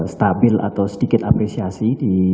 stabil atau sedikit apresiasi di